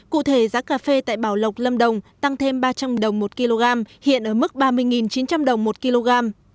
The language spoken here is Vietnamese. cụ thể giá cà phê tại bảo lộc lâm đồng tăng thêm ba trăm linh đồng một kg hiện ở mức ba mươi chín trăm linh đồng một kg